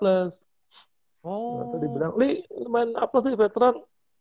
nanti dibilang lih main a veteran